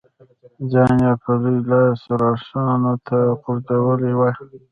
ځان یې په لوی لاس روسانو ته غورځولی وای.